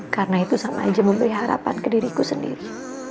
karena itu sama aja memberi harapan ke diriku sendiri